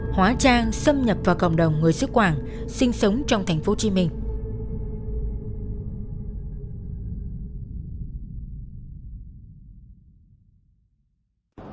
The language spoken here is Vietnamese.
hóa trang xâm nhập vào cộng đồng người sứ quản sinh sống trong thành phố hồ chí minh